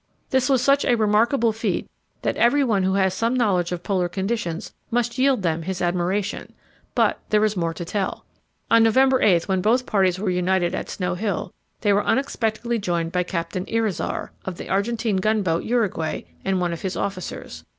This was such a remarkable feat that everyone who has some knowledge of Polar conditions must yield them his admiration. But there is more to tell. On November 8, when both parties were united at Snow Hill, they were unexpectedly joined by Captain Irizar, of the Argentine gunboat Uruguay, and one of his officers.